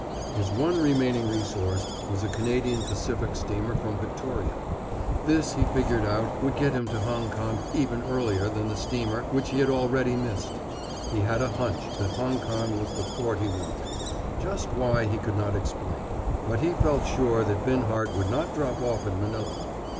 His one remaining resource was a Canadian Pacific steamer from Victoria. This, he figured out, would get him to Hong Kong even earlier than the steamer which he had already missed. He had a hunch that Hong Kong was the port he wanted. Just why, he could not explain. But he felt sure that Binhart would not drop off at Manila.